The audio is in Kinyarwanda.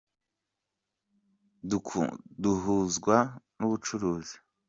duhuzwa n'ubucuruzi.